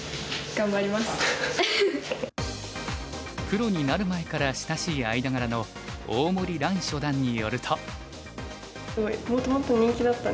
プロになる前から親しい間柄の大森らん初段によると。